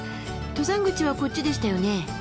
登山口はこっちでしたよね。